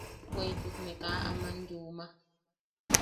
Bweʼituk ne kaa aman yuuma.